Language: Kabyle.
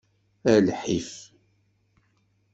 A lḥif.